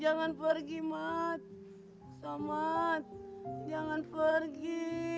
jangan pergi mat samad jangan pergi